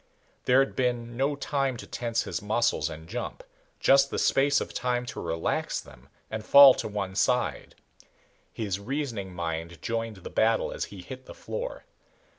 There had been no time to tense his muscles and jump, just the space of time to relax them and fall to one side. His reasoning mind joined the battle as he hit the floor.